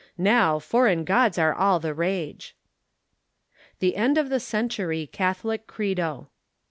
Now foreign gods are all the rage." "THE END OF THE CENTURY" CATHOLIC CREDO.